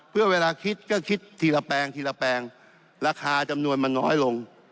เพื่อเวลาคิดก็คิดทีละแปลงทีละแปลงราคาจำนวนมันน้อยลง